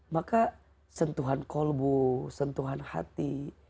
maka sentuhan kolbu sentuhan hati